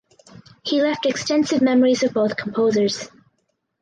He left extensive memories of both composers.